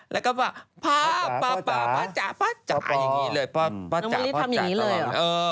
แล้วก็บอกพ่อป้าจ๋าอย่างนี้เลย